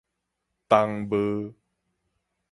冬帽